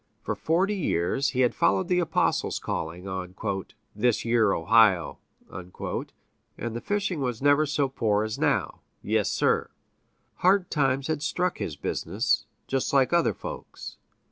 For forty years had he followed the apostles' calling on "this yere Ohio," and the fishing was never so poor as now yes, sir! hard times had struck his business, just like other folks'.